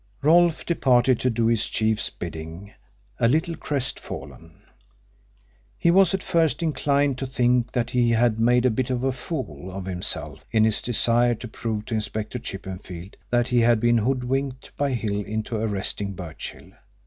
Rolfe departed, to do his chief's bidding, a little crestfallen. He was at first inclined to think that he had made a bit of a fool of himself in his desire to prove to Inspector Chippenfield that he had been hoodwinked by Hill into arresting Birchill.